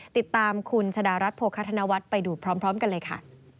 ติดตามคุณชะดารัฐโภคธนวัฒน์ไปดูพร้อมกันเลยค่ะ